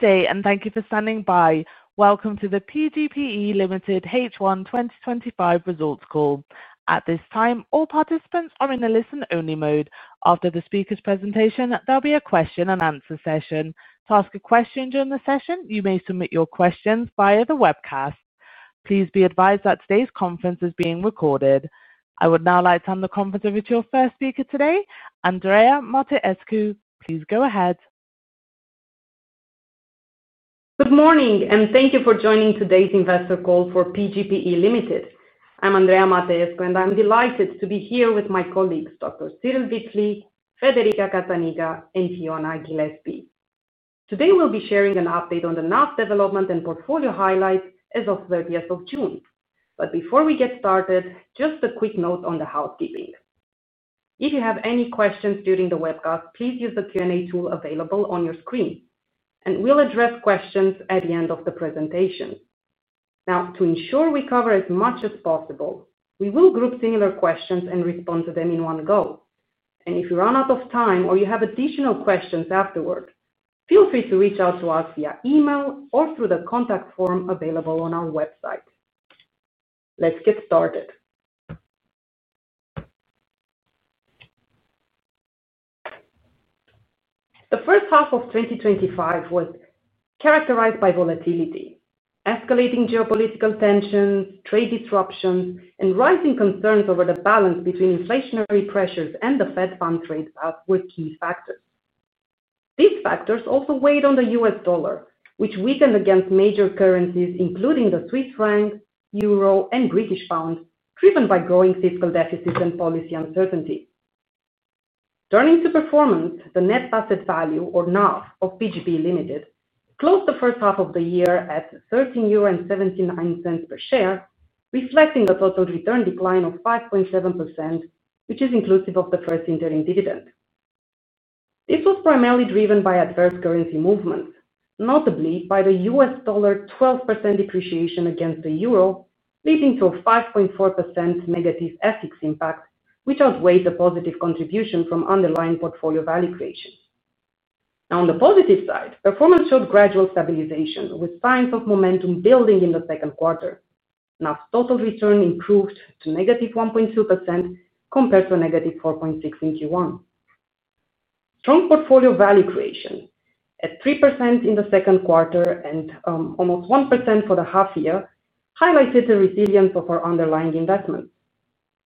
Today, and thank you for standing by. Welcome to the PGPE Limited H1 2025 Results Call. At this time, all participants are in a listen-only mode. After the speaker's presentation, there'll be a question and answer session. To ask a question during the session, you may submit your questions via the webcast. Please be advised that today's conference is being recorded. I would now like to hand the conference over to our first speaker today, Andreea Mateescu. Please go ahead. Good morning, and thank you for joining today's investor call for PGPE Limited. I'm Andreea Mateescu, and I'm delighted to be here with my colleagues, Dr. Cyrill Wipfli, Federica Cazzaniga, and Fiona Gillespie. Today, we'll be sharing an update on the NAV development and portfolio highlights as of June. Before we get started, just a quick note on the housekeeping. If you have any questions during the webcast, please use the Q&A tool available on your screen, and we'll address questions at the end of the presentation. To ensure we cover as much as possible, we will group similar questions and respond to them in one go. If you run out of time or you have additional questions afterwards, feel free to reach out to us via email or through the contact form available on our website. Let's get started. The first half of 2025 was characterized by volatility. Escalating geopolitical tensions, trade disruptions, and rising concerns over the balance between inflationary pressures and the Fed funds rate cut were key factors. These factors also weighed on the U.S. dollar, which weakened against major currencies, including the Swiss franc, euro, and British pound, driven by growing fiscal deficits and policy uncertainty. Turning to performance, the net asset value, or NAV, of PGPE Limited closed the first half of the year at 13.79 euro per share, reflecting a total return decline of 5.7%, which is inclusive of the first interim dividend. This was primarily driven by adverse currency movements, notably by the U.S. dollar's 12% depreciation against the euro, leading to a 5.4% negative FX impact, which outweighed the positive contribution from underlying portfolio value creation. On the positive side, performance showed gradual stabilization with signs of momentum building in the second quarter. Total return improved to -1.2% compared to -4.6% in Q1. Strong portfolio value creation at 3% in the second quarter and almost 1% for the half year highlighted the resilience of our underlying investments.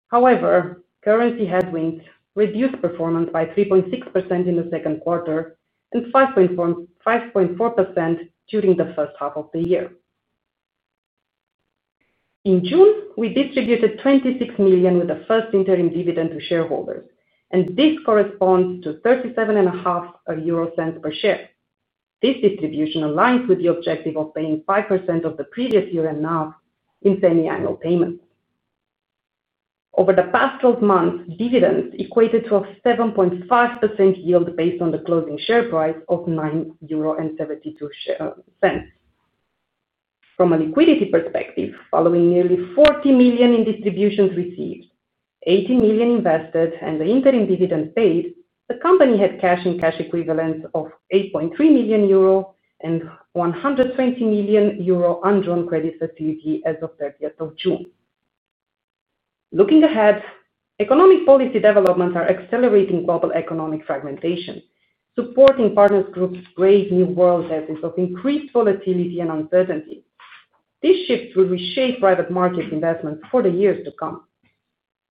However, currency headwinds reduced performance by 3.6% in the second quarter and 5.4% during the first half of the year. In June, we distributed $26 million with the first interim dividend to shareholders, and this corresponds to 0.375 per share. This distribution aligns with the objective of paying 5% of the previous year NAV in semiannual payments. Over the past 12 months, dividends equated to a 7.5% yield based on the closing share price of 9.72 euro. From a liquidity perspective, following nearly $40 million in distributions received, $80 million invested, and the interim dividend paid, the company had cash and cash equivalents of 8.3 million euro and a 120 million euro undrawn credit facility as of June. Looking ahead, economic policy developments are accelerating global economic fragmentation, supporting Partners Group's Brave New World's essence of increased volatility and uncertainty. These shifts will reshape private market investment for the years to come.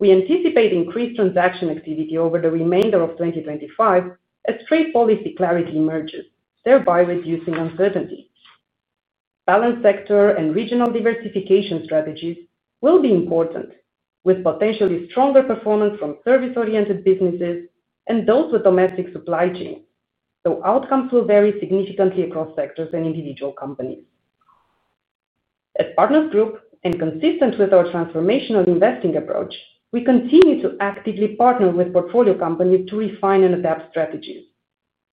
We anticipate increased transaction activity over the remainder of 2025 as trade policy clarity emerges, thereby reducing uncertainty. Balanced sector and regional diversification strategies will be important, with potentially stronger performance from service-oriented businesses and those with domestic supply chains, though outcomes will vary significantly across sectors and individual companies. At Partners Group, and consistent with our transformational investing approach, we continue to actively partner with portfolio companies to refine and adapt strategies.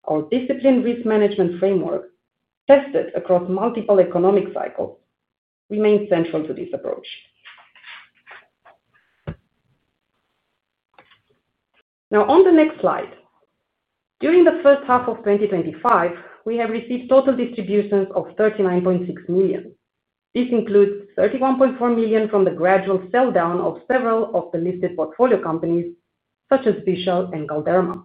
Our disciplined risk management framework, tested across multiple economic cycles, remains central to this approach. Now, on the next slide, during the first half of 2025, we have received total distributions of $39.6 million. This includes $31.4 million from the gradual sell-down of several of the listed portfolio companies, such as Fischl and Galderma.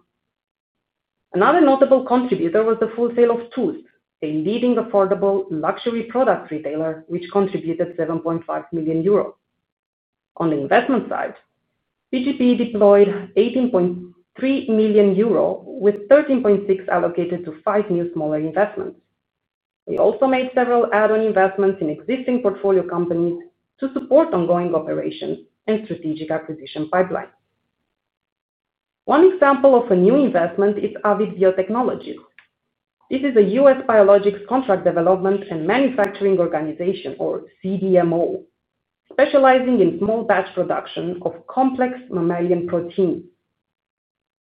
Another notable contributor was the wholesale of Toolz, a leading affordable luxury products retailer, which contributed 7.5 million euros. On the investment side, PGPE Limited deployed 18.3 million euros, with 13.6 million allocated to five new smaller investments. We also made several add-on investments in existing portfolio companies to support ongoing operations and strategic acquisition pipelines. One example of a new investment is Avid Biotechnologies. This is a U.S. biologics contract development and manufacturing organization, or CDMO, specializing in small batch production of complex mammalian proteins.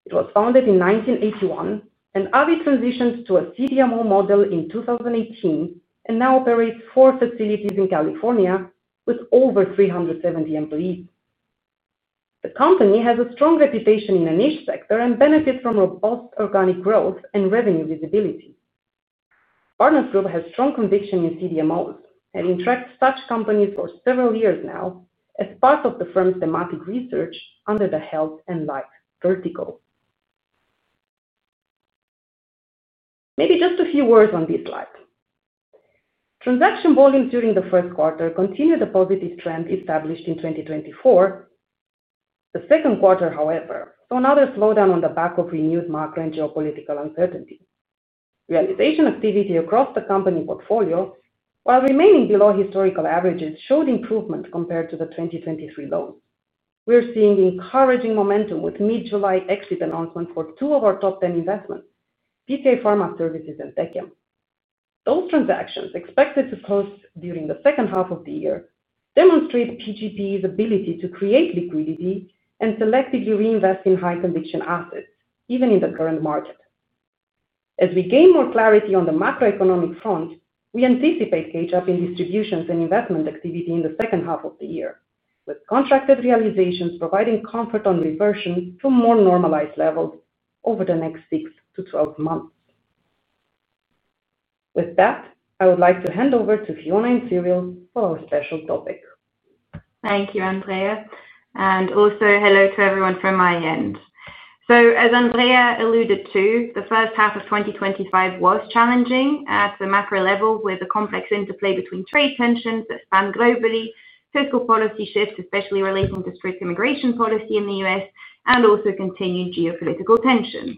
It was founded in 1981, and Avid transitioned to a CDMO model in 2018 and now operates four facilities in California with over 370 employees. The company has a strong reputation in a niche sector and benefits from robust organic growth and revenue visibility. Partners Group has strong conviction in CDMOs and interacts with such companies for several years now as part of the firm's thematic research under the Health and Life vertical. Maybe just a few words on these slides. Transaction volumes during the first quarter continued the positive trend established in 2024. The second quarter, however, saw another slowdown on the back of renewed macro and geopolitical uncertainty. Realization activity across the company portfolio, while remaining below historical averages, showed improvement compared to the 2023 low. We're seeing encouraging momentum with mid-July exit announcements for two of our top 10 investments, PCI Pharma Services and Tecem. Those transactions, expected to close during the second half of the year, demonstrate PGPE Limited's ability to create liquidity and selectively reinvest in high conviction assets, even in the current market. As we gain more clarity on the macroeconomic front, we anticipate catch-up in distributions and investment activity in the second half of the year, with contracted realizations providing comfort on reversion to more normalized levels over the next 6-12 months. With that, I would like to hand over to Fiona Gillespie and Dr. Cyrill Wipfli for our special topic. Thank you, Andreea Mateescu, and also hello to everyone from my end. As Andreea alluded to, the first half of 2025 was challenging at the macro level with a complex interplay between trade tensions that span globally, fiscal policy shifts, especially relating to strict immigration policy in the U.S., and also continued geopolitical tension.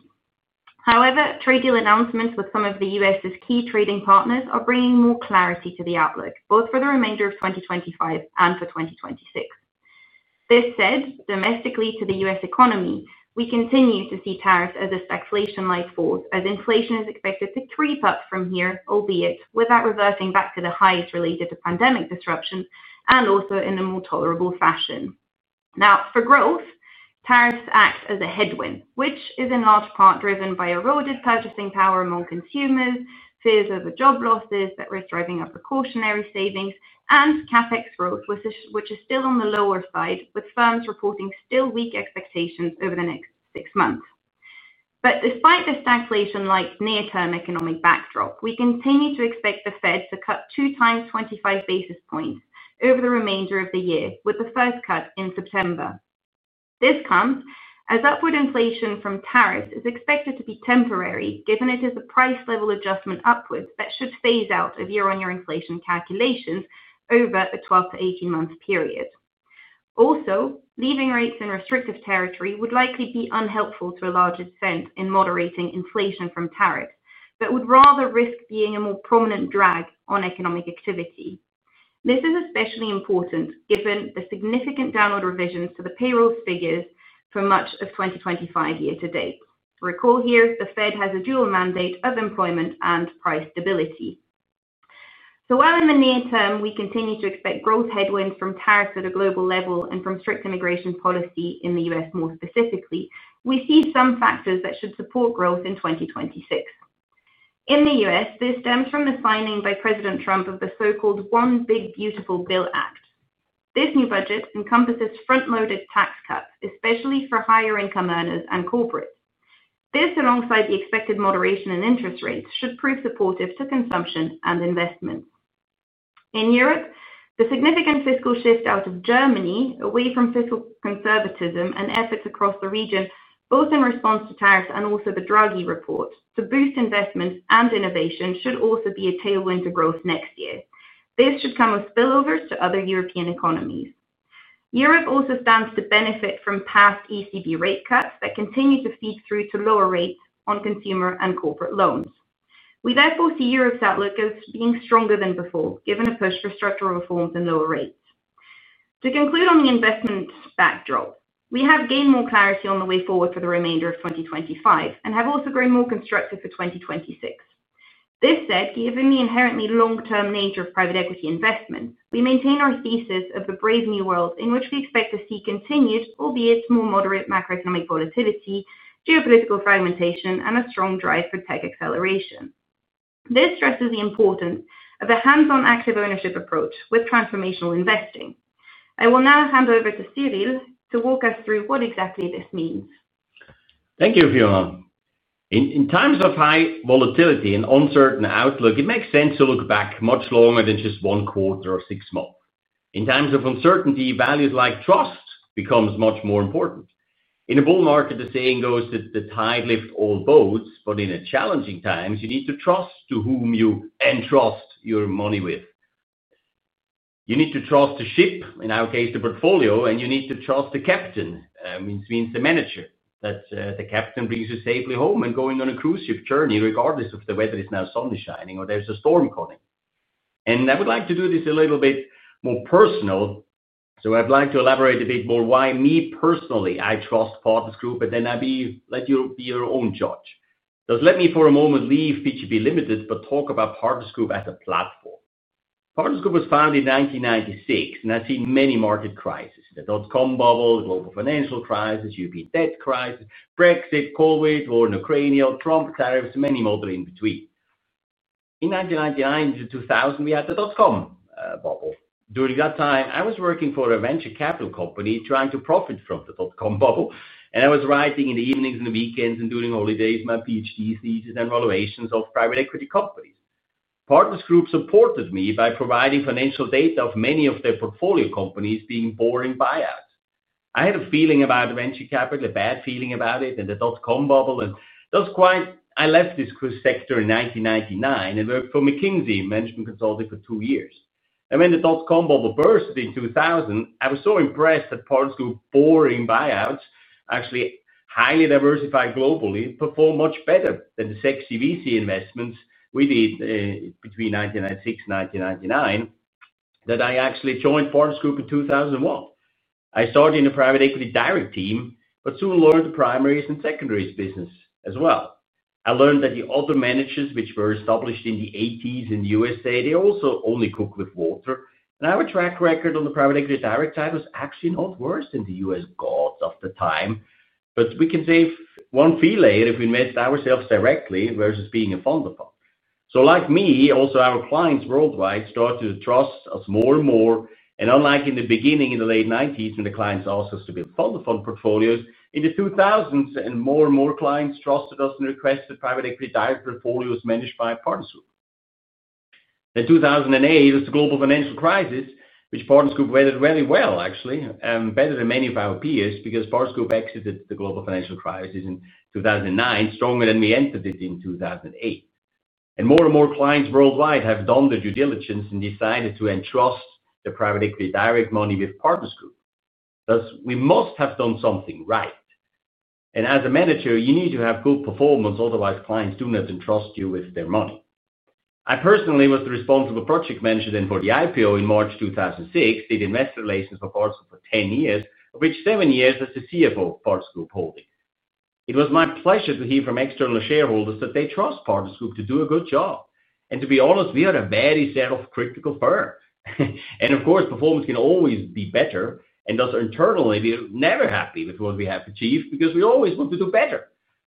However, trade deal announcements with some of the U.S.'s key trading partners are bringing more clarity to the outlook, both for the remainder of 2025 and for 2026. This said, domestically to the U.S. economy, we continue to see tariffs as a stagflation light forward, as inflation is expected to creep up from here, albeit without reverting back to the highs related to pandemic disruption and also in a more tolerable fashion. For growth, tariffs act as a headwind, which is in large part driven by eroded purchasing power among consumers, fears over job losses that risk driving up precautionary savings, and CapEx growth, which is still on the lower side, with firms reporting still weak expectations over the next six months. Despite the stagflation-like near-term economic backdrop, we continue to expect the Fed to cut two times 25 basis points over the remainder of the year, with the first cut in September. This comes as upward inflation from tariffs is expected to be temporary, given it is a price level adjustment upwards that should phase out of year-on-year inflation calculations over a 12-18 month period. Also, leaving rates in restrictive territory would likely be unhelpful to a large extent in moderating inflation from tariffs, but would rather risk being a more prominent drag on economic activity. This is especially important given the significant downward revisions to the payroll figures for much of 2025 year to date. Recall here the Fed has a dual mandate of employment and price stability. While in the near term, we continue to expect growth headwinds from tariffs at a global level and from strict immigration policy in the U.S. more specifically, we see some factors that should support growth in 2026. In the U.S., this stems from the signing by President Trump of the so-called One Big Beautiful Bill Act. This new budget encompasses front-loaded tax cuts, especially for higher income earners and corporates. This, alongside the expected moderation in interest rates, should prove supportive to consumption and investments. In Europe, the significant fiscal shift out of Germany, away from fiscal conservatism and efforts across the region, both in response to tariffs and also the Draghi report to boost investment and innovation, should also be a tailwind to growth next year. This should come with spillovers to other European economies. Europe also stands to benefit from past ECB rate cuts that continue to feed through to lower rates on consumer and corporate loans. We therefore see Europe's outlook as being stronger than before, given a push for structural reforms and lower rates. To conclude on the investment backdrop, we have gained more clarity on the way forward for the remainder of 2025 and have also grown more constructive for 2026. This said, given the inherently long-term nature of private equity investment, we maintain our thesis of the Brave New World, in which we expect to see continued, albeit more moderate macroeconomic volatility, geopolitical fragmentation, and a strong drive for tech acceleration. This stresses the importance of a hands-on active ownership approach with transformational investing. I will now hand over to Cyrill to walk us through what exactly this means. Thank you, Fiona. In times of high volatility and uncertain outlook, it makes sense to look back much longer than just one quarter or six months. In times of uncertainty, values like trust become much more important. In a bull market, the saying goes that the tide lifts all boats, but in challenging times, you need to trust to whom you entrust your money with. You need to trust the ship, in our case, the portfolio, and you need to trust the captain, which means the manager, that the captain brings you safely home and going on a cruise ship journey, regardless of the weather is now sunny shining or there's a storm coming. I would like to do this a little bit more personal. I'd like to elaborate a bit more why me personally I trust Partners Group, and then I'll let you be your own judge. Let me for a moment leave PGPE Limited, but talk about Partners Group as a platform. Partners Group was founded in 1996, and I've seen many market crises: the dotcom bubble, the global financial crisis, European debt crisis, Brexit, Covid, war in Ukraine, Trump tariffs, and many more in between. In 1999-2000, we had the dotcom bubble. During that time, I was working for a venture capital company trying to profit from the dotcom bubble, and I was writing in the evenings and the weekends and during holidays my PhD thesis on renovations of private equity companies. Partners Group supported me by providing financial data of many of their portfolio companies being boring buyouts. I had a feeling about the venture capital, a bad feeling about it, and the dotcom bubble, and that's why I left this cruise sector in 1999 and worked for McKinsey Management Consulting for two years. When the dotcom bubble burst in 2000, I was so impressed that Partners Group's boring buyouts, actually highly diversified globally, performed much better than the sexy VC investments we did between 1996 and 1999, that I actually joined Partners Group in 2001. I started in a private equity direct team, but soon learned the primaries and secondaries business as well. I learned that the other managers, which were established in the '80s in the U.S.A., they also only cooked with water, and our track record on the private equity direct side was actually not worse than the U.S. gods of the time. We can save one fee later if we invest ourselves directly versus being a fund-of-funds. Like me, also our clients worldwide started to trust us more and more. Unlike in the beginning in the late '90s, when the clients asked us to build fund-of-funds portfolios, in the 2000s, more and more clients trusted us and requested private equity direct portfolios managed by Partners Group. In 2008, it was the global financial crisis, which Partners Group weathered very well, actually, better than many of our peers because Partners Group exited the global financial crisis in 2009 stronger than we entered it in 2008. More and more clients worldwide have done their due diligence and decided to entrust their private equity direct money with Partners Group. Thus, we must have done something right. As a manager, you need to have good performance; otherwise, clients do not entrust you with their money. I personally was the responsible project manager then for the IPO in March 2006, did investor relations for Partners Group for 10 years, of which 7 years as the CFO of Partners Group. It was my pleasure to hear from external shareholders that they trust Partners Group to do a good job. To be honest, we are a very self-critical firm. Of course, performance can always be better, and us internally, we're never happy with what we have achieved because we always want to do better.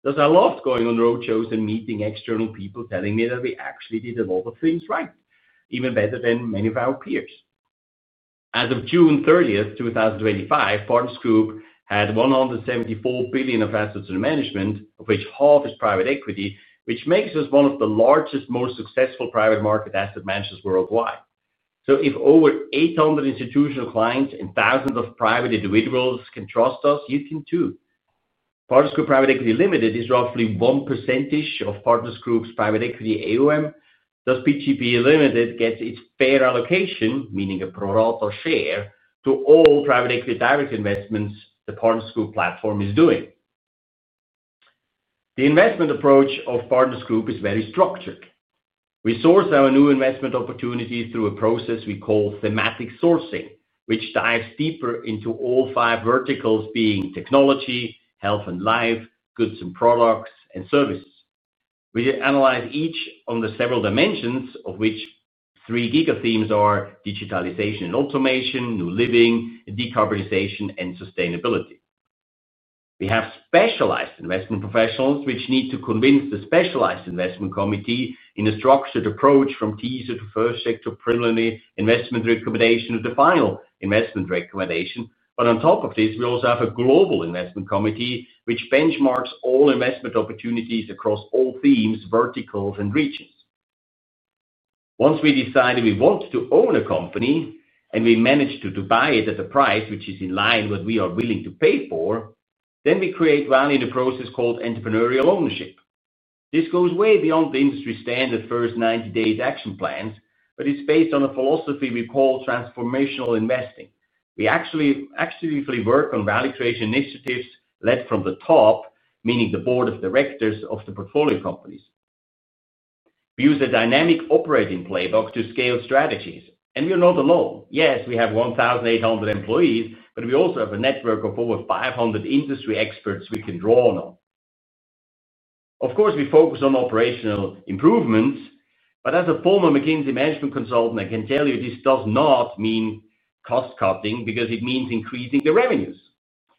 I loved going on roadshows and meeting external people telling me that we actually did a lot of things right, even better than many of our peers. As of June 30, 2025, Partners Group had $174 billion of assets in management, of which half is private equity, which makes us one of the largest, most successful private market asset managers worldwide. If over 800 institutional clients and thousands of private individuals can trust us, you can too. Partners Group Private Equity Limited is roughly 1% of Partners Group's private equity AUM. Thus, PGPE Limited gets its fair allocation, meaning a pro rata share, to all private equity direct investments the Partners Group platform is doing. The investment approach of Partners Group is very structured. We source our new investment opportunities through a process we call thematic sourcing, which dives deeper into all five verticals, being technology, health and life, goods and products, and services. We analyze each under several dimensions, of which three bigger themes are digitalization and automation, new living, decarbonization, and sustainability. We have specialized investment professionals, which need to convince the specialized investment committee in a structured approach from teaser to first sector, preliminary investment recommendation to the final investment recommendation. On top of this, we also have a global investment committee, which benchmarks all investment opportunities across all themes, verticals, and regions. Once we decide that we want to own a company and we manage to buy it at a price which is in line with what we are willing to pay for, we create value in a process called entrepreneurial ownership. This goes way beyond the industry standard first 90 days action plans, but it's based on a philosophy we call transformational investing. We actually actively work on value creation initiatives led from the top, meaning the board of directors of the portfolio companies. We use a dynamic operating playbook to scale strategies, and we are not alone. Yes, we have 1,800 employees, but we also have a network of over 500 industry experts we can draw on. Of course, we focus on operational improvements, but as a former McKinsey management consultant, I can tell you this does not mean cost cutting because it means increasing the revenues.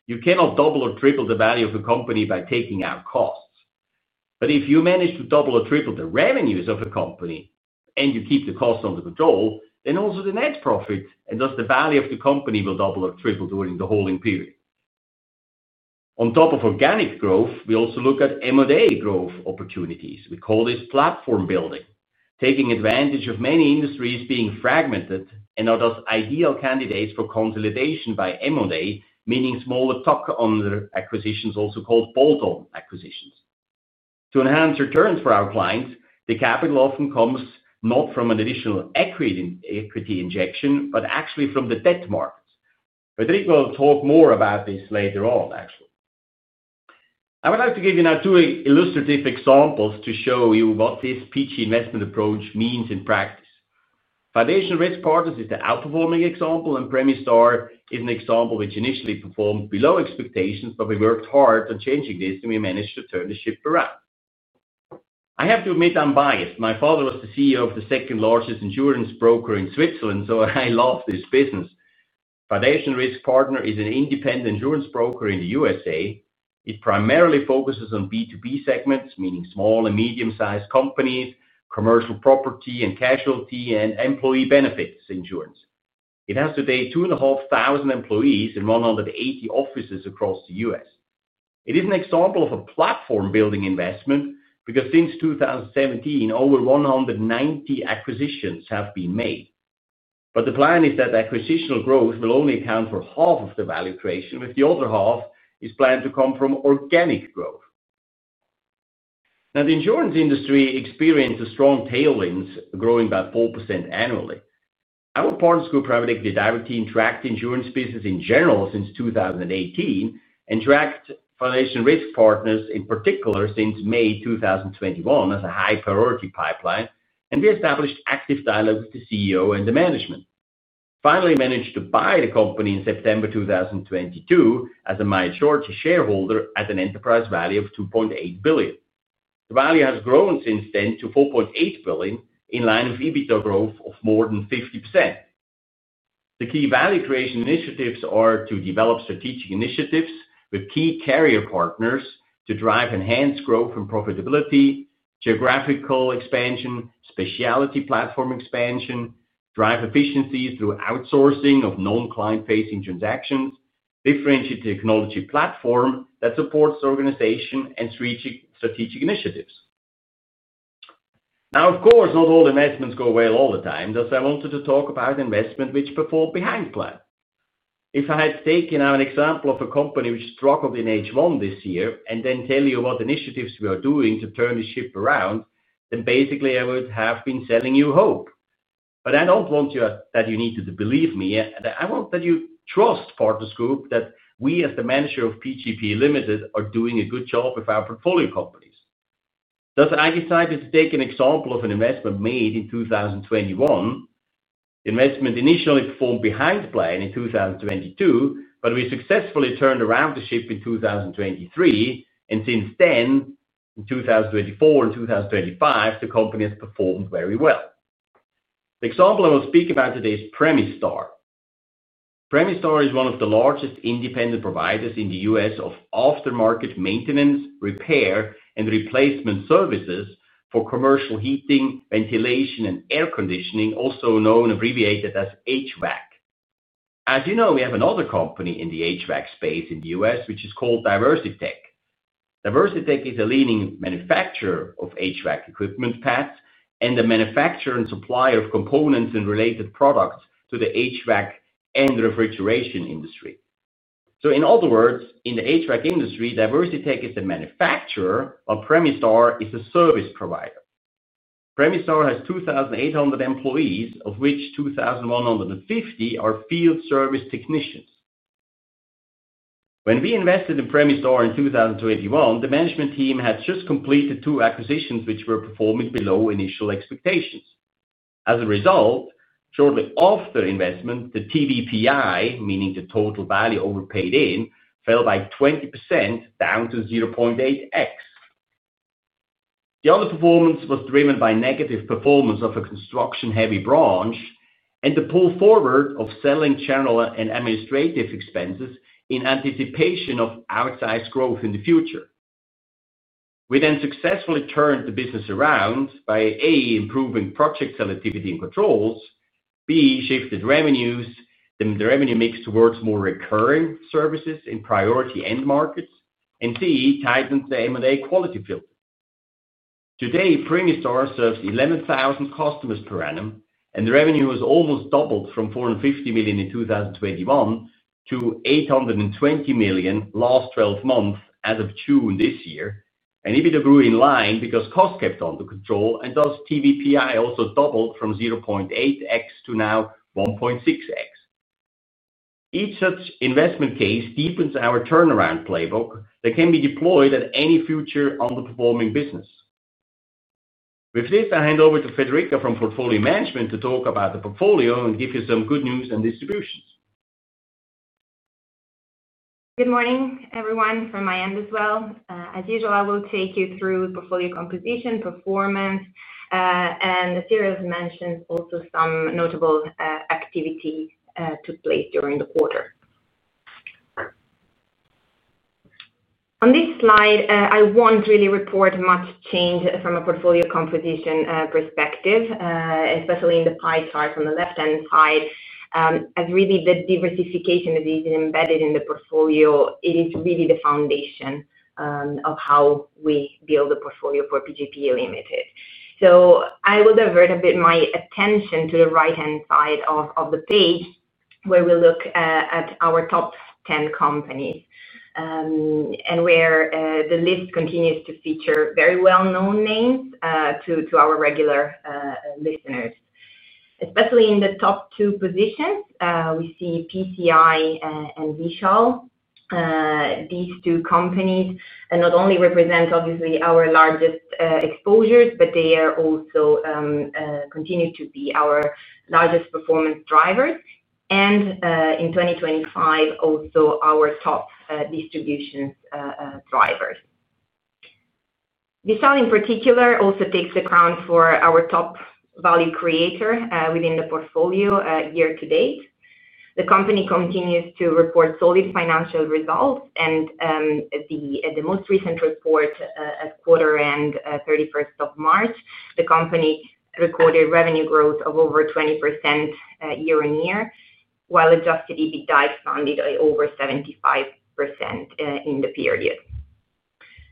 You cannot double or triple the value of a company by taking out costs. If you manage to double or triple the revenues of a company and you keep the costs under control, then also the net profit and thus the value of the company will double or triple during the holding period. On top of organic growth, we also look at M&A growth opportunities. We call this platform building, taking advantage of many industries being fragmented and are thus ideal candidates for consolidation by M&A, meaning smaller stock-owner acquisitions, also called bolt-on acquisitions. To enhance returns for our clients, the capital often comes not from an additional equity injection, but actually from the debt market. We will talk more about this later on, actually. I would like to give you now two illustrative examples to show you what this PG investment approach means in practice. Foundation Risk Partners is the outperforming example, and Premistar is an example which initially performed below expectations, but we worked hard on changing this, and we managed to turn the ship around. I have to admit I'm biased. My father was the CEO of the second largest insurance broker in Switzerland, so I love this business. Foundation Risk Partners is an independent insurance broker in the U.S.A. It primarily focuses on B2B segments, meaning small and medium-sized companies, commercial property and casualty, and employee benefits insurance. It has today 2,500 employees in 180 offices across the U.S. It is an example of a platform-building investment because since 2017, over 190 acquisitions have been made. The plan is that acquisitional growth will only account for half of the value creation, with the other half planned to come from organic growth. The insurance industry experiences strong tailwinds, growing about 4% annually. Our Partners Group Private Equity Direct team tracked the insurance business in general since 2018 and tracked Foundation Risk Partners in particular since May 2021 as a high-priority pipeline, and we established active dialogue with the CEO and the management. Finally, we managed to buy the company in September 2022 as a minority shareholder at an enterprise value of $2.8 billion. The value has grown since then to $4.8 billion in line with EBITDA growth of more than 50%. The key value creation initiatives are to develop strategic initiatives with key carrier partners to drive enhanced growth and profitability, geographical expansion, specialty platform expansion, drive efficiency through outsourcing of non-client-facing transactions, differentiate the technology platform that supports organization and strategic initiatives. Of course, not all investments go well all the time, thus I wanted to talk about investments which perform behind the plan. If I had taken out an example of a company which struggled in H1 this year and then tell you what initiatives we are doing to turn the ship around, basically I would have been selling you hope. I don't want you to believe me. I want you to trust Partners Group that we, as the manager of PGPE Limited, are doing a good job with our portfolio companies. Thus, I decided to take an example of an investment made in 2021. The investment initially performed behind the plan in 2022, but we successfully turned around the ship in 2023, and since then, in 2024 and 2025, the company has performed very well. The example I will speak about today is PremiStar. PremiStar is one of the largest independent providers in the U.S. of aftermarket maintenance, repair, and replacement services for commercial heating, ventilation, and air conditioning, also known abbreviated as HVAC. As you know, we have another company in the HVAC space in the U.S., which is called DiversiTech. DiversiTech is a leading manufacturer of HVAC equipment parts and a manufacturer and supplier of components and related products to the HVAC and refrigeration industry. In other words, in the HVAC industry, DiversiTech is the manufacturer, while PremiStar is the service provider. Premistar has 2,800 employees, of which 2,150 are field service technicians. When we invested in PremiStar in 2021, the management team had just completed two acquisitions which were performing below initial expectations. As a result, shortly after investment, the TVPI, meaning the total value paid in, fell by 20%, down to 0.8x. The underperformance was driven by negative performance of a construction-heavy branch and the pull forward of selling, channel, and administrative expenses in anticipation of outsized growth in the future. We then successfully turned the business around by, A, improving project selectivity and controls, B, shifting revenues, the revenue mix towards more recurring services in priority end markets, and C, tightening the M&A quality field. Today, PremiStar serves 11,000 customers per annum, and the revenue has almost doubled from $450 million in 2021 to $820 million in the last 12 months as of June this year, and EBITDA grew in line because costs kept under control, and thus TVPI also doubled from 0.8x to now 1.6x. Each such investment case deepens our turnaround playbook that can be deployed at any future underperforming business. With this, I hand over to Federica from portfolio management to talk about the portfolio and give you some good news and distributions. Good morning, everyone, from my end as well. As usual, I will take you through the portfolio composition, performance, and Cyrill has mentioned also some notable activity that took place during the quarter. On this slide, I won't really report much change from a portfolio composition perspective, especially in the pie chart on the left-hand side. As really the diversification that is embedded in the portfolio, it is really the foundation of how we build the portfolio for PGPE Limited. I will divert a bit my attention to the right-hand side of the page where we look at our top 10 companies and where the list continues to feature very well-known names to our regular listeners. Especially in the top two positions, we see PCI and Vishal. These two companies not only represent obviously our largest exposures, but they are also continuing to be our largest performance drivers and in 2025 also our top distribution drivers. Vishal in particular also takes the crown for our top value creator within the portfolio year to date. The company continues to report solid financial results, and at the most recent report at quarter end 31st March the company recorded revenue growth of over 20% year-on-year, while adjusted EBITDA expanded over 75% in the period.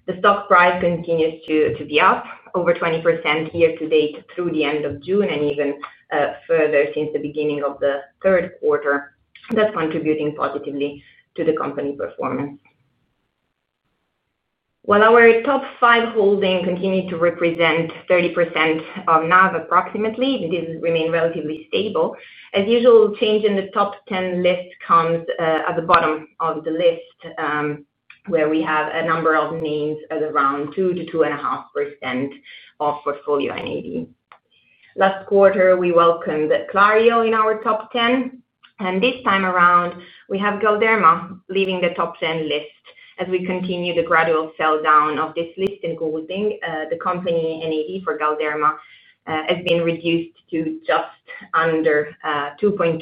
The stock price continues to be up over 20% year to date through the end of June and even further since the beginning of the third quarter. That is contributing positively to the company performance. While our top five holdings continue to represent 30% of NAV approximately, it remains relatively stable. As usual, change in the top 10 list comes at the bottom of the list where we have a number of names at around 2% -2.5% of portfolio NAV. Last quarter, we welcomed Clario in our top 10, and this time around, we have Galderma leaving the top 10 list as we continue the gradual sell-down of this listed holding. The company NAV for Galderma has been reduced to just under 2.2%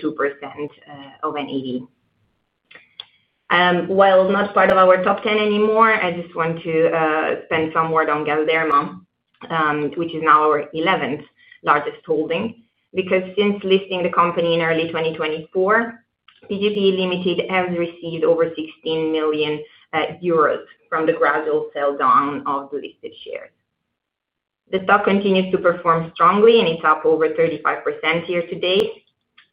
of NAV. While not part of our top 10 anymore, I just want to spend some words on Galderma, which is now our 11th largest holding, because since listing the company in early 2024, PGPE Limited has received over 16 million euros from the gradual sell-down of the listed shares. The stock continues to perform strongly, and it's up over 35% year to date.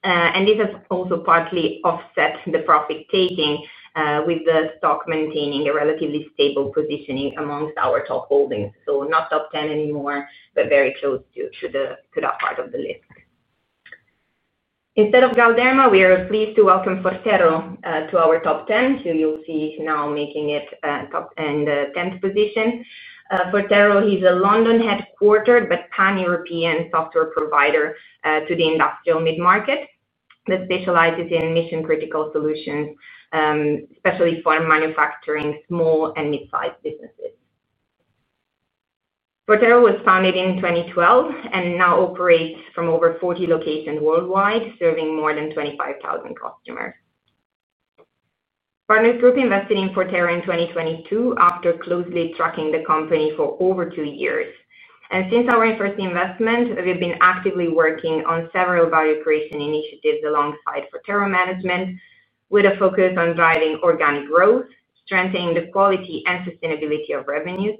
This has also partly offset the profit-taking with the stock maintaining a relatively stable positioning amongst our top holdings. Not top 10 anymore, but very close to that part of the list. Instead of Galderma, we are pleased to welcome Forterra to our top 10, who you'll see now making it to the 10th position. Forterra is a London-headquartered but pan-European software provider to the industrial mid-market that specializes in mission-critical solutions, especially for manufacturing small and mid-sized businesses. Forterra was founded in 2012 and now operates from over 40 locations worldwide, serving more than 25,000 customers. Partners Group invested in Forterra in 2022 after closely tracking the company for over two years. Since our first investment, we've been actively working on several value creation initiatives alongside Forterra management, with a focus on driving organic growth, strengthening the quality and sustainability of revenues,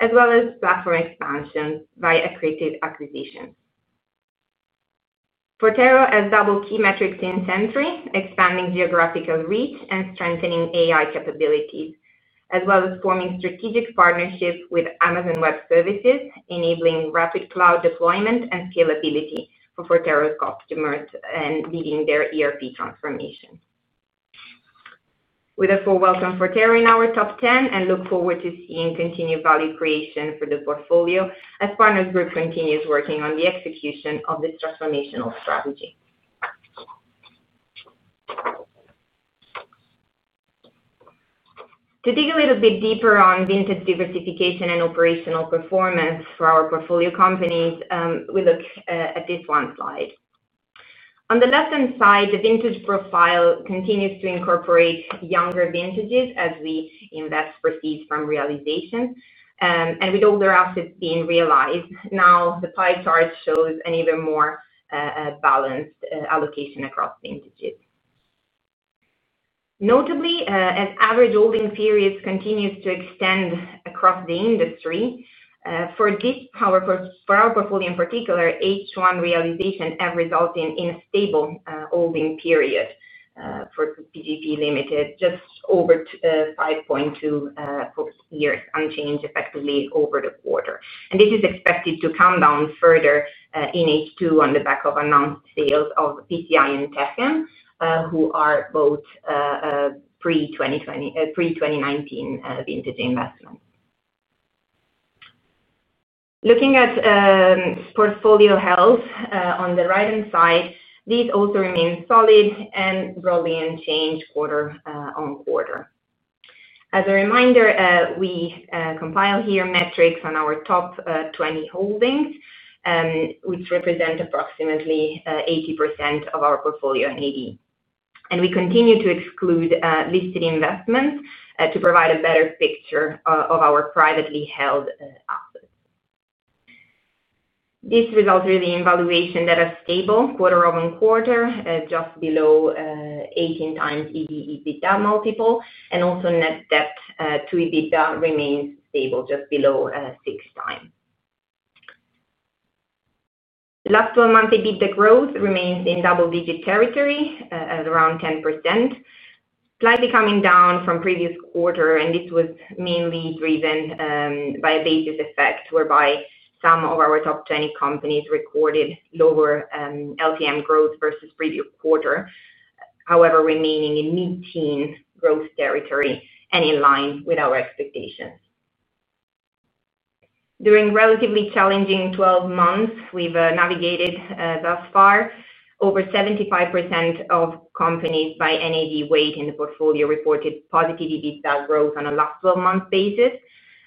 as well as platform expansion via accretive acquisition. Forterra has doubled key metrics in this century, expanding geographical reach and strengthening AI capabilities, as well as forming strategic partnerships with Amazon Web Services, enabling rapid cloud deployment and scalability for Forterra's customers and leading their ERP transformation. We therefore welcome Forterra in our top 10 and look forward to seeing continued value creation for the portfolio as Partners Group continues working on the execution of this transformational strategy. To dig a little bit deeper on vintage diversification and operational performance for our portfolio companies, we look at this one slide. On the left-hand side, the vintage profile continues to incorporate younger vintages as we invest proceeds from realization. With older assets being realized, now the pie chart shows an even more balanced allocation across vintages. Notably, as average holding periods continue to extend across the industry, for our portfolio in particular, H1 realizations have resulted in a stable holding period for PGPE Limited, just over 5.2 years, unchanged effectively over the quarter. This is expected to come down further in H2 on the back of announced sales of PTI and Tecem, who are both pre-2019 vintage investments. Looking at portfolio health on the right-hand side, these also remain solid and growing and change quarter-on-quarter. As a reminder, we compile here metrics on our top 20 holdings, which represent approximately 80% of our portfolio NAV. We continue to exclude listed investments to provide a better picture of our privately held assets. These results really in valuation that are stable quarter-over-quarter, just below 18x EBITDA multiple, and also net debt to EBITDA remains stable, just below six times. The last 12-month EBITDA growth remains in double-digit territory, at around 10%, slightly coming down from previous quarter, and this was mainly driven by a basis effect whereby some of our top 20 companies recorded lower LTM growth vs previous quarter, however, remaining in mid-teens growth territory and in line with our expectations. During relatively challenging 12 months we've navigated thus far, over 75% of companies by NAV weight in the portfolio reported positive EBITDA growth on a last 12-month basis,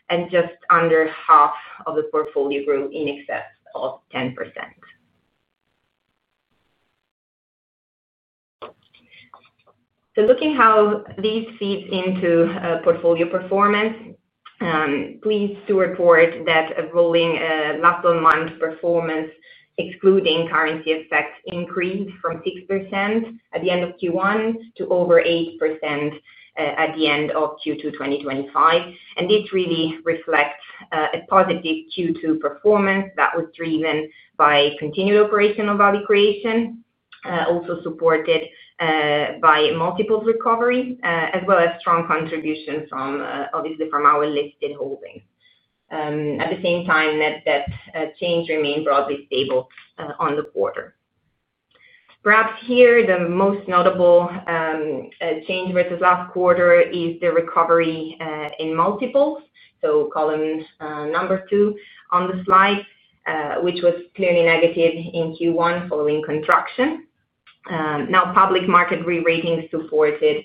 and just under half of the portfolio grew in excess of 10%. Looking at how this feeds into portfolio performance, please do report that a rolling last 12-month performance, excluding currency effects, increased from 6% at the end of Q1 to over 8% at the end of Q2 2025. This really reflects a positive Q2 performance that was driven by continued operational value creation, also supported by multiple recovery, as well as strong contributions obviously from our listed holdings. At the same time, net debt change remained broadly stable on the quarter. Perhaps here the most notable change vs last quarter is the recovery in multiples, so column number two on the slide, which was clearly negative in Q1 following contraction. Now, public market reratings supported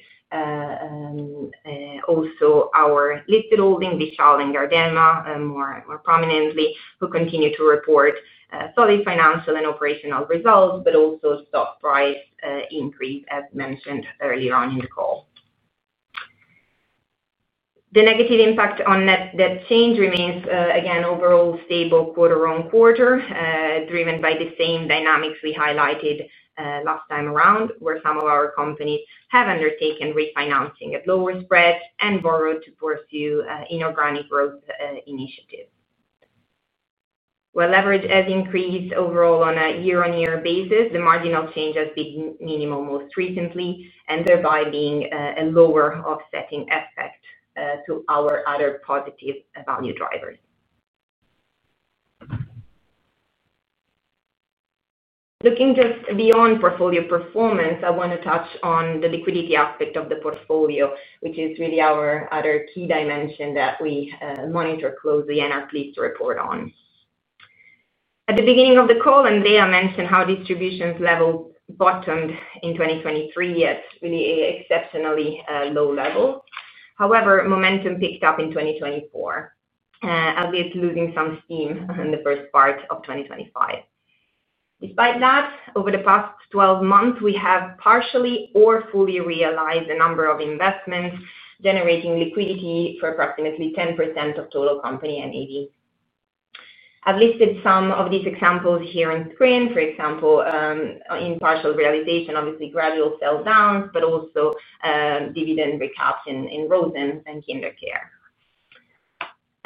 also our listed holdings, Vishal and Galderma, more prominently, who continue to report solid financial and operational results, but also stock price increase, as mentioned early on in the call. The negative impact on net debt change remains, again, overall stable quarter-on-quarter, driven by the same dynamics we highlighted last time around, where some of our companies have undertaken refinancing at lower spreads and borrowed to pursue inorganic growth initiatives. While leverage has increased overall on a year-on-year basis, the marginal change has been minimal most recently, and thereby being a lower offsetting effect to our other positive value drivers. Looking just beyond portfolio performance, I want to touch on the liquidity aspect of the portfolio, which is really our other key dimension that we monitor closely and at least report on. At the beginning of the call, Andreea mentioned how distributions levels bottomed in 2023 at really exceptionally low levels. However, momentum picked up in 2024, at least losing some steam in the first part of 2025. Despite that, over the past 12 months, we have partially or fully realized a number of investments generating liquidity for approximately 10% of total company NAV. I've listed some of these examples here on screen. For example, in partial realization, obviously gradual sell-downs, but also dividend recaps in Rosen and KinderCare.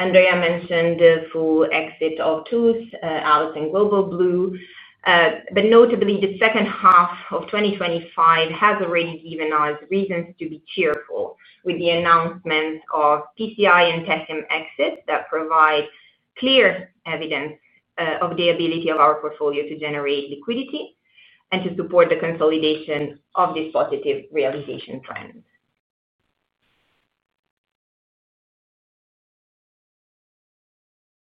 Andreea mentioned the full exit of Toolz, Alice, and Global Blue. Notably, the second half of 2025 has already given us reasons to be cheerful with the announcements of PCI and Tecem exits that provide clear evidence of the ability of our portfolio to generate liquidity and to support the consolidation of this positive realization front.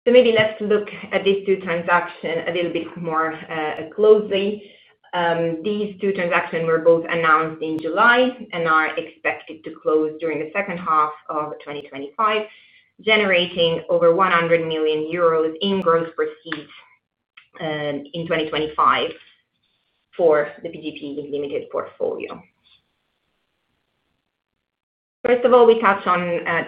Maybe let's look at these two transactions a little bit more closely. These two transactions were both announced in July and are expected to close during the second half of 2025, generating over 100 million euros in gross proceeds in 2025 for the PGPE Limited portfolio. First of all, we touch on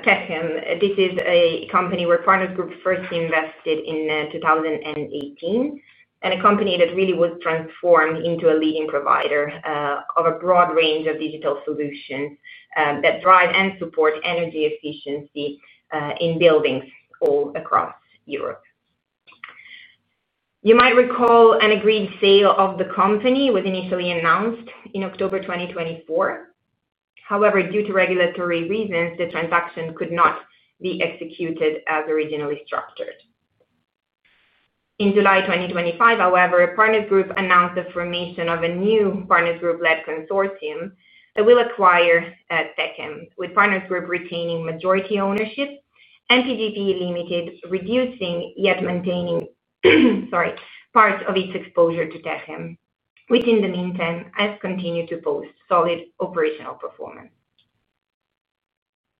Tecem. This is a company where Partners Group first invested in 2018, and a company that really was transformed into a leading provider of a broad range of digital solutions that drive and support energy efficiency in buildings all across Europe. You might recall an agreed sale of the company was initially announced in October 2024. However, due to regulatory reasons, the transaction could not be executed as originally structured. In July 2025, Partners Group announced the formation of a new Partners Group-led consortium that will acquire Tecem, with Partners Group retaining majority ownership and PGPE Limited reducing yet maintaining parts of its exposure to Tecem, which in the meantime has continued to post solid operational performance.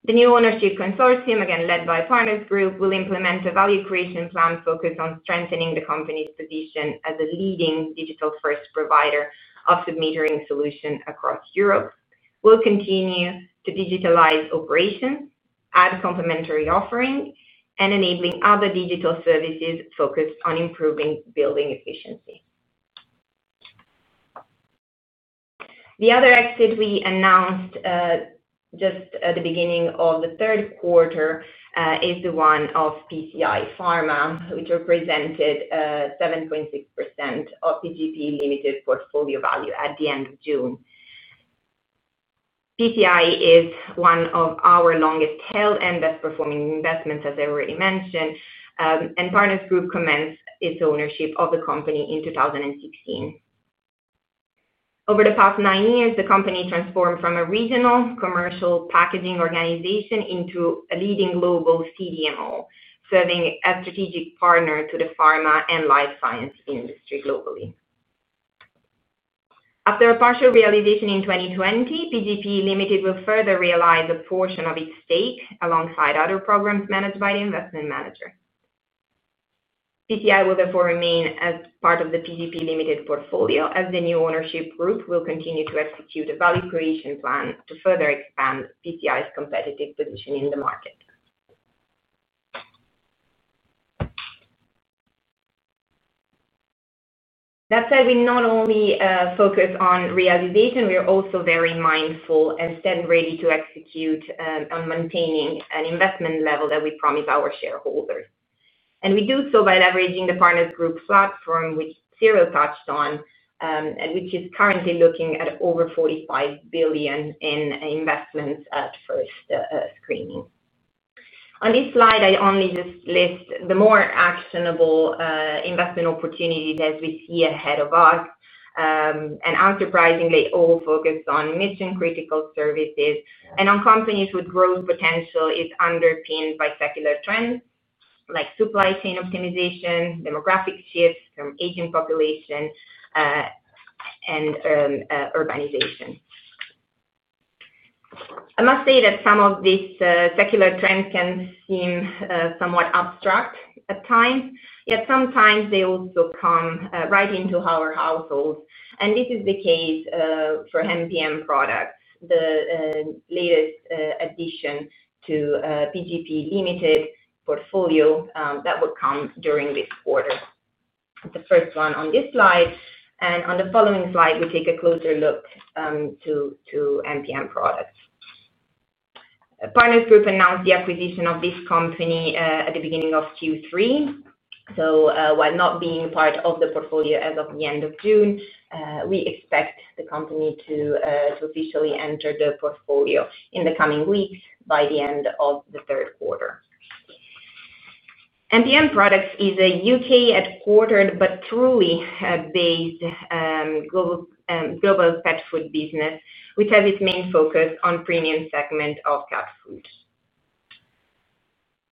The new ownership consortium, again led by Partners Group, will implement a value creation plan focused on strengthening the company's position as a leading digital-first provider of submetering solutions across Europe. We will continue to digitalize operations, add complementary offerings, and enable other digital services focused on improving building efficiency. The other exit we announced just at the beginning of the third quarter is the one of PCI Pharma, which represented 7.6% of PGPE Limited portfolio value at the end of June. PCI is one of our longest-held and best-performing investments, as I already mentioned, and Partners Group commenced its ownership of the company in 2016. Over the past nine years, the company transformed from a regional commercial packaging organization into a leading global CDMO, serving as a strategic partner to the pharma and life science industry globally. After a partial realization in 2020, PGPE Limited will further realize a portion of its stake alongside other programs managed by the investment manager. PCI will therefore remain as part of the PGPE Limited portfolio as the new ownership group will continue to execute a value creation plan to further expand PCI's competitive position in the market. That said, we not only focus on realization, we are also very mindful and stand ready to execute on maintaining an investment level that we promise our shareholders. We do so by leveraging the Partners Group platform, which Cyrill touched on, and which is currently looking at over $45 billion in investments at first screening. On this slide, I only just list the more actionable investment opportunities as we see ahead of us, and unsurprisingly, all focused on mission-critical services and on companies with growth potential if underpinned by secular trends like supply chain optimization, demographic shifts from aging population, and urbanization. I must say that some of these secular trends can seem somewhat abstract at times, yet sometimes they also come right into our households, and this is the case for MPM Products, the latest addition to PGPE Limited's portfolio that will come during this quarter. The first one on this slide, and on the following slide, we'll take a closer look to MPM Products. Partners Group announced the acquisition of this company at the beginning of Q3. While not being part of the portfolio as of the end of June, we expect the company to officially enter the portfolio in the coming weeks by the end of the third quarter. MPM Products is a UK-headquartered but truly based global pet food business, which has its main focus on the premium segment of pet foods.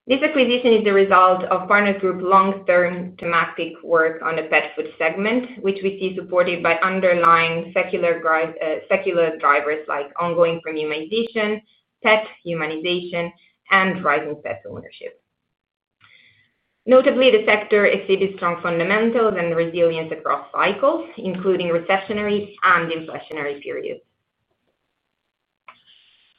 This acquisition is the result of Partners Group's long-term thematic work on the pet food segment, which we see supported by underlying secular drivers like ongoing premiumization, pet humanization, and rising pet ownership. Notably, the sector exceeds strong fundamentals and resilience across cycles, including recessionary and inflationary periods.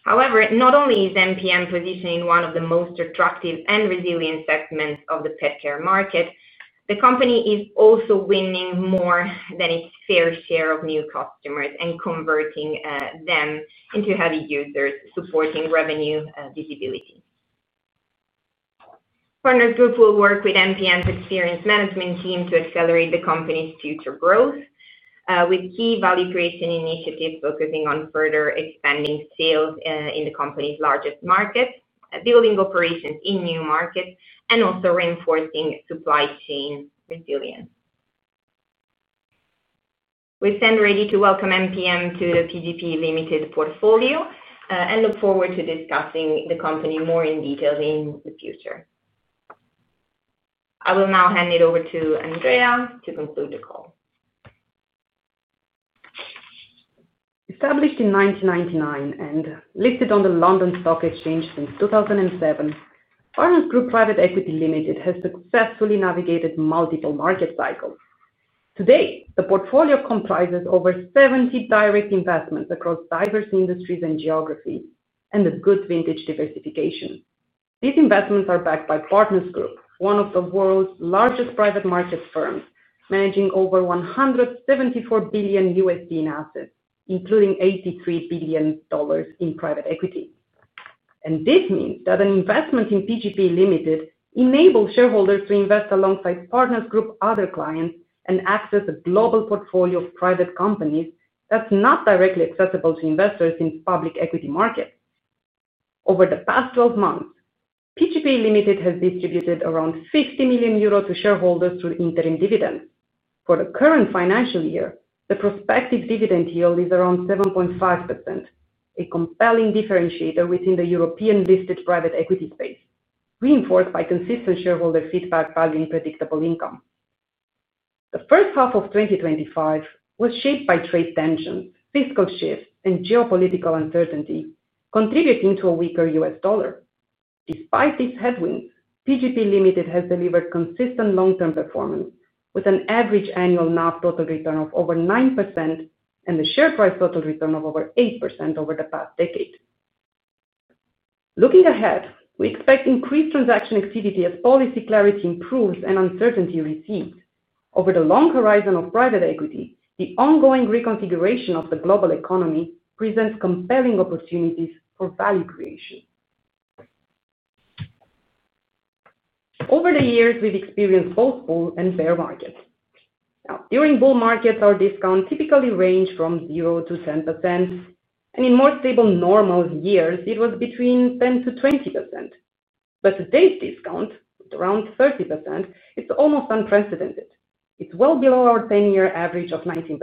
However, not only is MPM positioning one of the most attractive and resilient segments of the pet care market, the company is also winning more than its fair share of new customers and converting them into heavy users, supporting revenue visibility. Partners Group will work with MPM's experienced management team to accelerate the company's future growth, with key value creation initiatives focusing on further expanding sales in the company's largest markets, building operations in new markets, and also reinforcing supply chain resilience. We are standing ready to welcome MPM to the PGPE Limited portfolio and look forward to discussing the company more in detail in the future. I will now hand it over to Andreea to conclude the call. Established in 1999 and listed on the London Stock Exchange since 2007, Partners Group Private Equity Limited has successfully navigated multiple market cycles. Today, the portfolio comprises over 70 direct investments across diverse industries and geographies and a good vintage diversification. These investments are backed by Partners Group, one of the world's largest private market firms, managing over $174 billion in assets, including $83 billion in private equity. This means that an investment in PGPE Limited enables shareholders to invest alongside Partners Group's other clients and access a global portfolio of private companies that's not directly accessible to investors in public equity markets. Over the past 12 months, PGPE Limited has distributed around 50 million euros to shareholders through interim dividends. For the current financial year, the prospective dividend yield is around 7.5%, a compelling differentiator within the European listed private equity trade, reinforced by consistent shareholder feedback backing predictable income. The first half of 2025 was shaped by trade tensions, fiscal shifts, and geopolitical uncertainty, contributing to a weaker US dollar. Despite this headwind, PGPE Limited has delivered consistent long-term performance with an average annual NAV total return of over 9% and a share price total return of over 8% over the past decade. Looking ahead, we expect increased transaction activity as policy clarity improves and uncertainty recedes. Over the long horizon of private equity, the ongoing reconfiguration of the global economy presents compelling opportunities for value creation. Over the years, we've experienced both bull and bear markets. During bull markets, our discounts typically range from 0%-10%, and in more stable normal years, it was between 10%-20%. Today's discount, around 30%, is almost unprecedented. It's well below our 10-year average of 19%,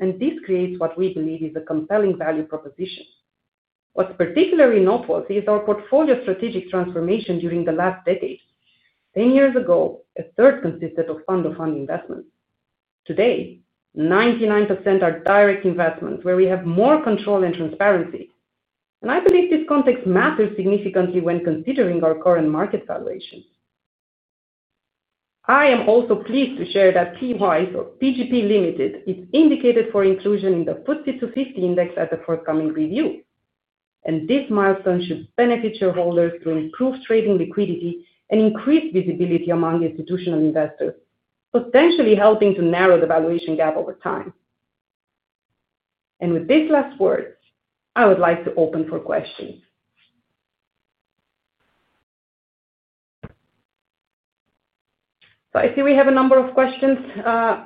and this creates what we believe is a compelling value proposition. What's particularly noteworthy is our portfolio strategic transformation during the last decade. 10 years ago, a third consisted of fund-of-funds investments. Today, 99% are direct investments where we have more control and transparency, and I believe this context matters significantly when considering our current market valuation. I am also pleased to share that PGPE Limited is indicated for inclusion in the FTSE 250 Index at the forthcoming review. This milestone should benefit shareholders through improved trading liquidity and increased visibility among institutional investors, potentially helping to narrow the valuation gap over time. With these last words, I would like to open for questions. I see we have a number of questions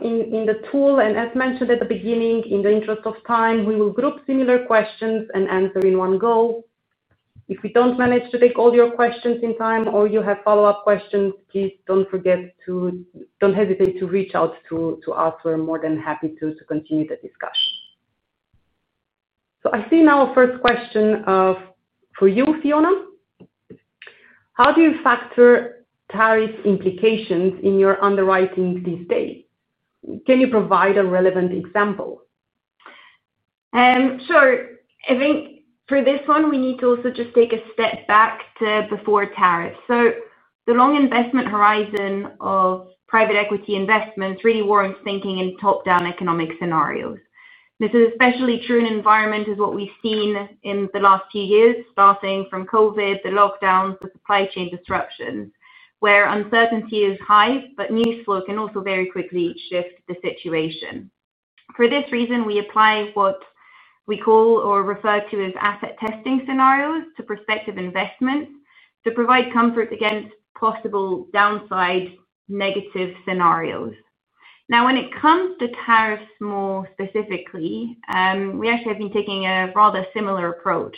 in the tool, and as mentioned at the beginning, in the interest of time, we will group similar questions and answer in one go. If we don't manage to take all your questions in time or you have follow-up questions, please don't hesitate to reach out to us. We're more than happy to continue to discuss. I see now a first question for you, Fiona. How do you factor tariff implications in your underwriting these days? Can you provide a relevant example? Sure. I think for this one, we need to also just take a step back to before tariffs. The long investment horizon of private equity investments really warrants thinking in top-down economic scenarios. This is especially true in an environment as what we've seen in the last few years, starting from COVID, the lockdowns, the supply chain disruptions, where uncertainty is high, but news flow can also very quickly shift the situation. For this reason, we apply what we call or refer to as asset testing scenarios to prospective investments to provide comfort against possible downside negative scenarios. Now, when it comes to tariffs more specifically, we actually have been taking a rather similar approach.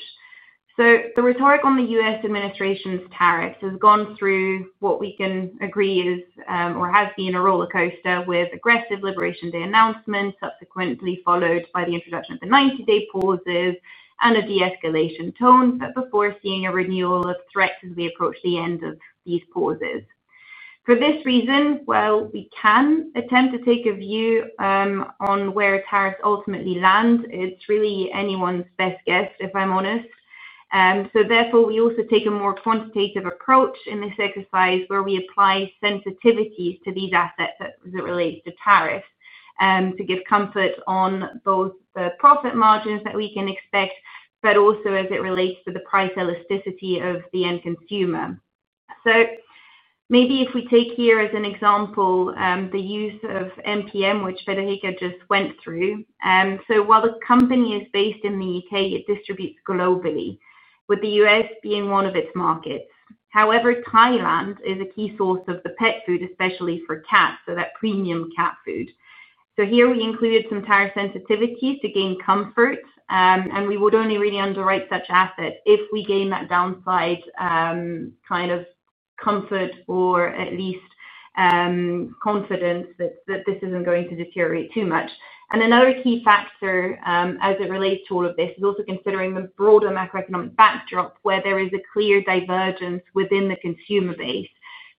The rhetoric on the U.S. administration's tariffs has gone through what we can agree is or has been a roller coaster with aggressive Liberation Day announcements, subsequently followed by the introduction of the 90-day pauses and a de-escalation tone, before seeing a renewal of threats as we approach the end of these pauses. For this reason, we can attempt to take a view on where tariffs ultimately land. It's really anyone's best guess, if I'm honest. Therefore, we also take a more quantitative approach in this exercise where we apply sensitivities to these assets as it relates to tariffs to give comfort on both the profit margins that we can expect, but also as it relates to the price elasticity of the end consumer. Maybe if we take here as an example the use of MPM Products, which Federica just went through. While the company is based in the U.K., it distributes globally, with the U.S. being one of its markets. However, Thailand is a key source of the pet food, especially for cats, so that premium cat food. Here we included some tariff sensitivities to gain comfort, and we would only really underwrite such assets if we gain that downside kind of comfort or at least confidence that this isn't going to deteriorate too much. Another key factor as it relates to all of this is also considering the broader macroeconomic backdrop where there is a clear divergence within the consumer base.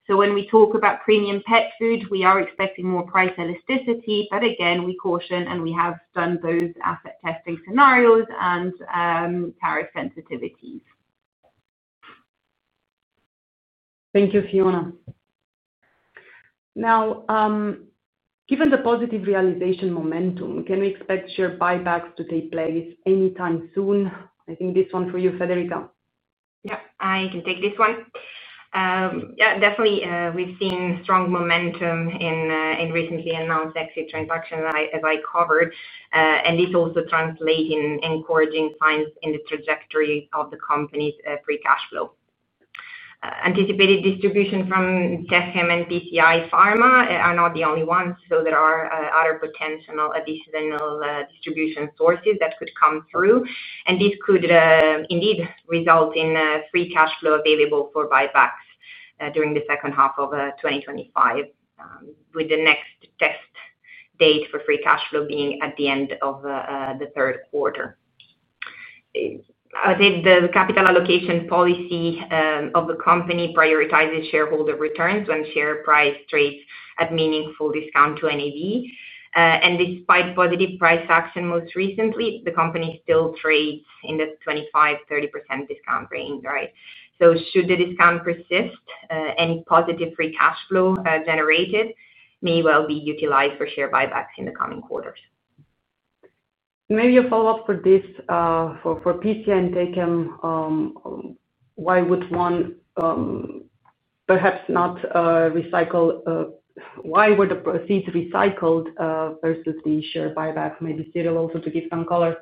When we talk about premium pet food, we are expecting more price elasticity, but again, we caution and we have done both asset testing scenarios and tariff sensitivities. Thank you, Fiona. Now, given the positive realization momentum, can we expect share buybacks to take place anytime soon? I think this one is for you, Federica. Yeah, I can take this one. Definitely, we've seen strong momentum in recently announced exit transactions, as I covered, and this also translates in encouraging times in the trajectory of the company's free cash flow. Anticipated distribution from PCI Pharma are not the only ones, so there are other potential additional distribution sources that could come through, and this could indeed result in free cash flow available for buybacks during the second half of 2025, with the next test date for free cash flow being at the end of the third quarter. I think the capital allocation policy of the company prioritizes shareholder returns when share price trades at meaningful discount to NAV. Despite positive price action most recently, the company still trades in the 25%-30% discount range, right? Should the discount persist, any positive free cash flow generated may well be utilized for share buybacks in the coming quarters. Maybe a follow-up for this for PCI and Tecem. Why would one perhaps not recycle? Why were the proceeds recycled versus the share buyback? Maybe Cyrill also to give some color?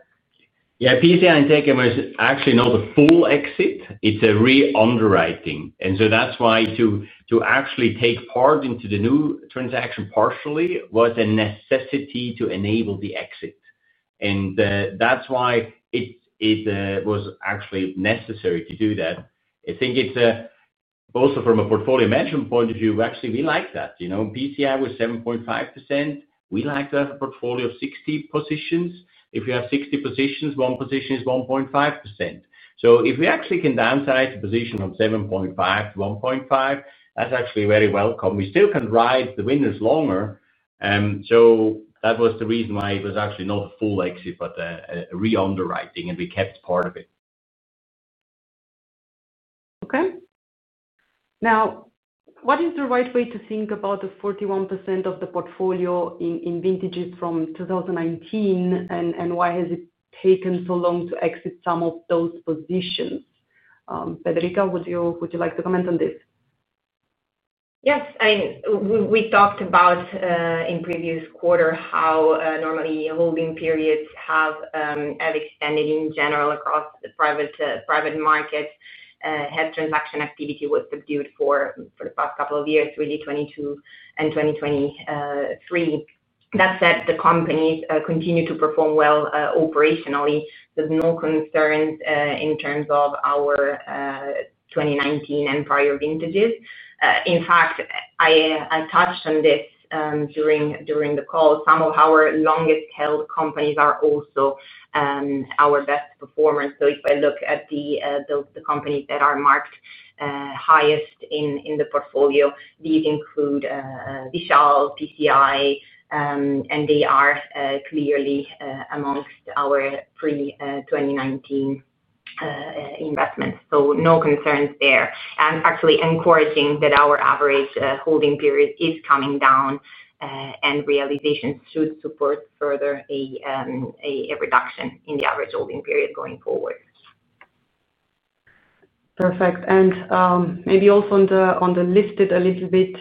Yeah, PCI Pharma Services and Tecem was actually not the full exit. It's a re-underwriting. That's why to actually take part into the new transaction partially was a necessity to enable the exit. That's why it was actually necessary to do that. I think it's also from a portfolio management point of view, actually we like that. You know, PCI was 7.5%. We like to have a portfolio of 60 positions. If you have 60 positions, one position is 1.5%. If we actually can downsize the position from 7.5%, 1.5%, that's actually very welcome. We still can ride the winners longer. That was the reason why it was actually not a full exit, but a re-underwriting, and we kept part of it. Okay. Now, what is the right way to think about the 41% of the portfolio in vintages from 2019, and why has it taken so long to exit some of those positions? Federica, would you like to comment on this? Yes, I mean, we talked about in the previous quarter how normally holding periods have extended in general across the private market. Transaction activity was subdued for the past couple of years, really 2022 and 2023. That said, the companies continue to perform well operationally with no concerns in terms of our 2019 and prior vintages. In fact, I touched on this during the call. Some of our longest-held companies are also our best performers. If I look at the companies that are marked highest in the portfolio, these include Vishal, PCI and they are clearly amongst our pre-2019 investments. No concerns there. It is actually encouraging that our average holding period is coming down and realization should support further a reduction in the average holding period going forward. Perfect. Maybe also on the listed a little bit,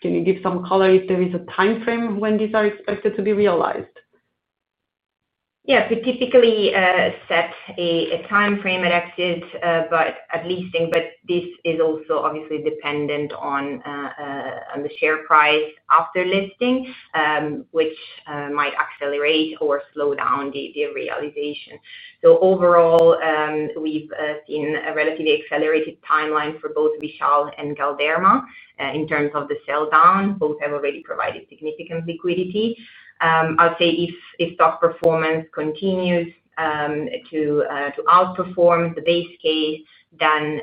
can you give some color if there is a timeframe when these are expected to be realized? Yes, we typically set a timeframe at exit, at listing, but this is also obviously dependent on the share price after listing, which might accelerate or slow down the realization. Overall, we've seen a relatively accelerated timeline for both Vishal and Galderma in terms of the sell-down. Both have already provided significant liquidity. I'll say if stock performance continues to outperform the base case, then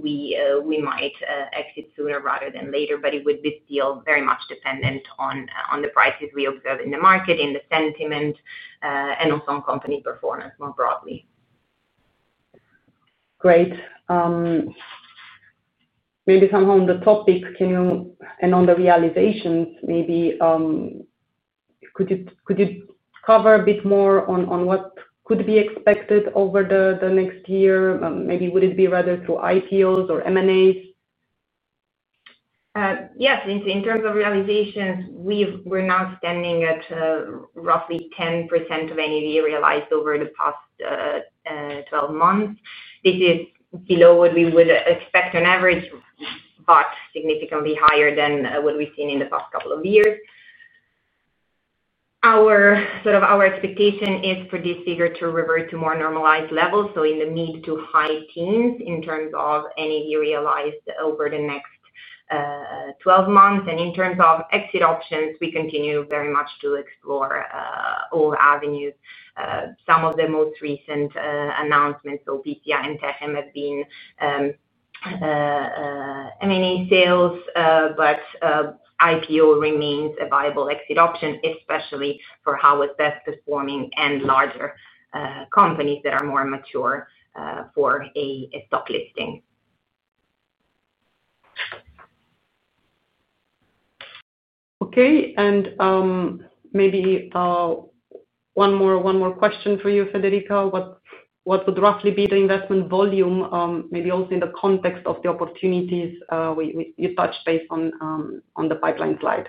we might exit sooner rather than later, but it would still be very much dependent on the prices we observe in the market, the sentiment, and also on company performance more broadly. Great. Maybe somehow on the topic, can you, and on the realizations, maybe could you cover a bit more on what could be expected over the next year? Maybe would it be rather through IPOs or M&As? Yes, in terms of realizations, we're now standing at roughly 10% of NAV realized over the past 12 months. This is below what we would expect on average, but significantly higher than what we've seen in the past couple of years. Our expectation is for this figure to revert to more normalized levels, in the mid to high teens in terms of NAV realized over the next 12 months. In terms of exit options, we continue very much to explore all avenues. Some of the most recent announcements, PCI and Tecem, have been M&A sales, but IPO remains a viable exit option, especially for our best performing and larger companies that are more mature for a stock listing. Okay, maybe one more question for you, Federica. What would roughly be the investment volume, maybe also in the context of the opportunities you touched base on the pipeline slide?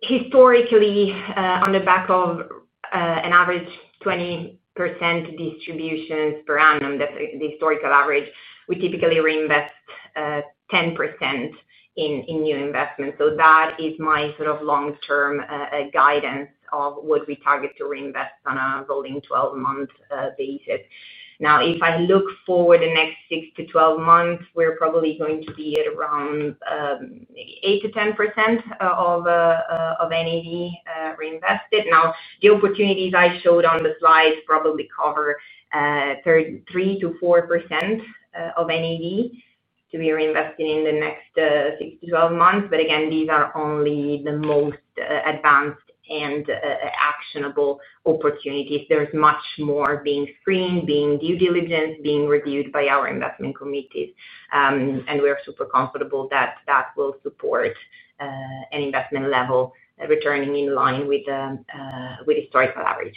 Historically, on the back of an average 20% distributions per annum, that's the historical average, we typically reinvest 10% in new investments. That is my sort of long-term guidance of what we target to reinvest on a rolling 12-month basis. Now, if I look forward the next 6-12 months, we're probably going to be at around maybe 8%-10% of NAV reinvested. The opportunities I showed on the slide probably cover 33%-44% of NAV to be reinvested in the next 6-12 months, but again, these are only the most advanced and actionable opportunities. There's much more being screened, being due diligence, being reviewed by our investment committees, and we're super comfortable that that will support an investment level returning in line with the historical average.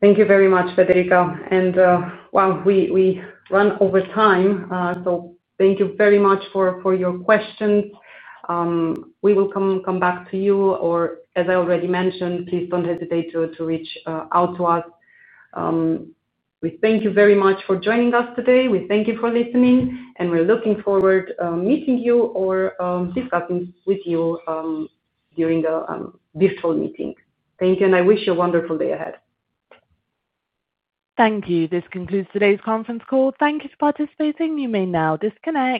Thank you very much, Federica. We have run over time, so thank you very much for your questions. We will come back to you, or as I already mentioned, please don't hesitate to reach out to us. We thank you very much for joining us today. We thank you for listening, and we're looking forward to meeting you or discussing with you during this whole meeting. Thank you, and I wish you a wonderful day ahead. Thank you. This concludes today's conference call. Thank you for participating. You may now disconnect.